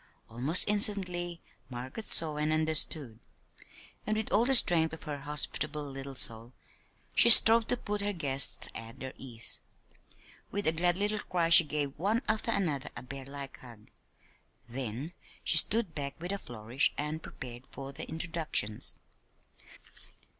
Almost instantly Margaret saw and understood; and with all the strength of her hospitable little soul she strove to put her guests at their ease. With a glad little cry she gave one after another a bear like hug; then she stood back with a flourish and prepared for the introductions.